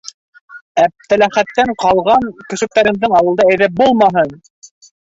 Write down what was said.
Әптеләхәттән ҡалған... көсөктәреңдең ауылда эҙе булмаһын!